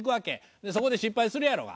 でそこで失敗するやろが。